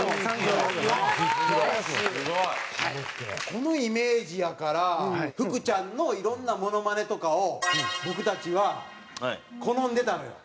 このイメージやから福ちゃんのいろんなモノマネとかを僕たちは好んでたのよ。